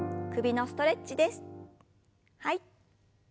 はい。